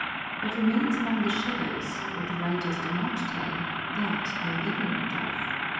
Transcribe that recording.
What remains among the shadows, what the writers do not tell, that I am ignorant of.